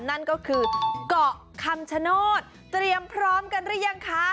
นั่นก็คือเกาะคำชโนธเตรียมพร้อมกันหรือยังคะ